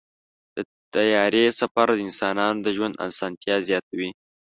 د طیارې سفر د انسانانو د ژوند اسانتیا زیاتوي.